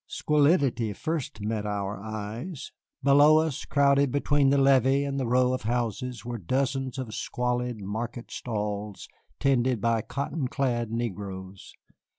Squalidity first met our eyes. Below us, crowded between the levee and the row of houses, were dozens of squalid market stalls tended by cotton clad negroes.